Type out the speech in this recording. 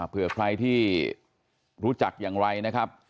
เผื่อใครที่รู้จักอย่างไรนะครับ